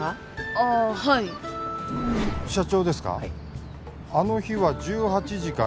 ああはい社長ですか？